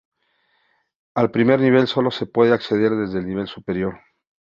Al primer nivel solo se puede acceder desde el nivel superior.